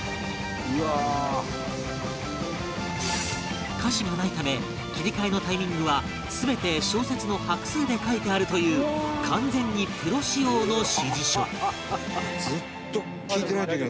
「うわー」歌詞がないため切り替えのタイミングは全て小節の拍数で書いてあるという完全にプロ仕様の指示書